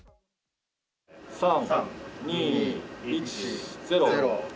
３、２、１、０。